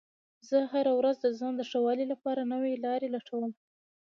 زه هره ورځ د ځان د ښه والي لپاره نوې لارې لټوم